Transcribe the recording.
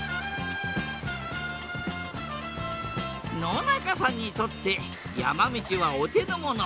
野中さんにとって山道はお手のもの。